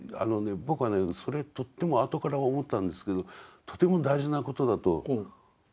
僕はねそれとっても後から思ったんですけどとても大事なことだと思うんです。